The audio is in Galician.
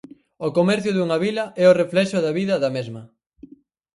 O comercio dunha vila é o reflexo da vida da mesma.